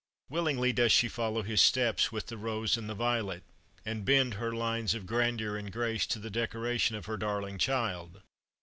Willingly does she follow his steps with the rose and the violet, and bend her lines of grandeur and grace to the decoration of her darling child.